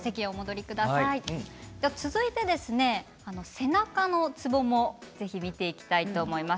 続いて背中のツボもぜひ見ていきたいと思います。